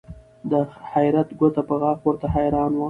د حیرت ګوته په غاښ ورته حیران وه